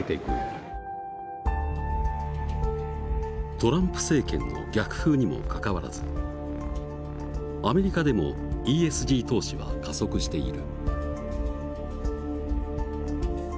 トランプ政権の逆風にもかかわらずアメリカでもＥＳＧ投資は加速している。